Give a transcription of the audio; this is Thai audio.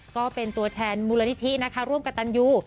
ก็เป็นตัวแทนมูลนิธินะคะร่วมกับตันยู